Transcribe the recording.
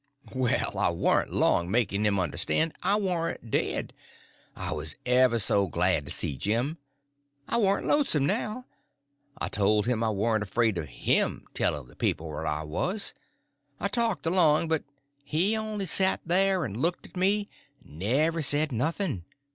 Well, I warn't long making him understand I warn't dead. I was ever so glad to see Jim. I warn't lonesome now. I told him I warn't afraid of him telling the people where I was. I talked along, but he only set there and looked at me; never said nothing.